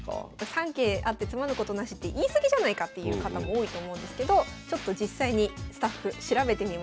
「三桂あって詰まぬことなし」って言い過ぎじゃないかっていう方も多いと思うんですけどちょっと実際にスタッフ調べてみました。